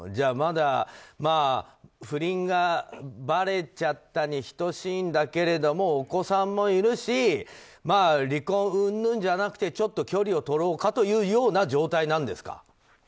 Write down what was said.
不倫がばれちゃったに等しいんだけれどもお子さんもいるし離婚うんぬんじゃなくてちょっと距離を取ろうかというような状態なんですか。